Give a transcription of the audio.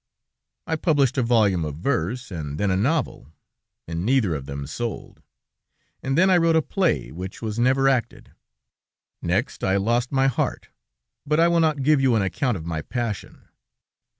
I published a volume of verse, and then a novel, and neither of them sold, and then I wrote a play, which was never acted." "Next, I lost my heart, but I will not give you an account of my passion.